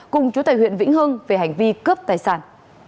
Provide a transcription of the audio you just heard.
cùng chú tài huyện vĩnh hưng về hành vi cướp tài sản